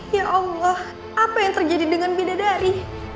ya allah apa yang terjadi dengan bidadari